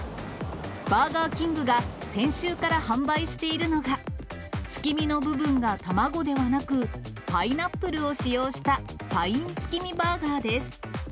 バーガーキングが先週から販売しているのが、月見の部分が卵ではなく、パイナップルを使用したパインツキミバーガーです。